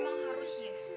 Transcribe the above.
emang harus ya